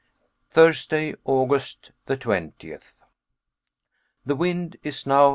Thursday, August 20th. The wind is now N.